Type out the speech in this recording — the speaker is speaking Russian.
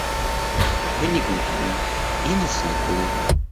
Мы не глухи и не слепы.